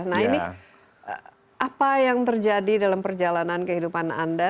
nah ini apa yang terjadi dalam perjalanan kehidupan anda